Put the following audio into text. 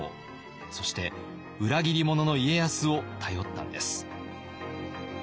そして裏切り者の家康を頼ったんです。